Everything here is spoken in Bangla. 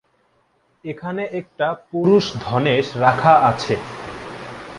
এখানে একটা পুরুষ ধনেশ রাখা আছে।